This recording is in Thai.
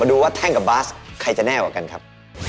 ดูว่าแท่งกับบาสใครจะแน่กว่ากันครับ